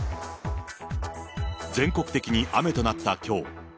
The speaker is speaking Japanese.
全国的に雨となったきょう。